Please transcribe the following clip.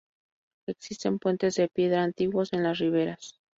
Existen puentes de piedra antiguos en las riberas.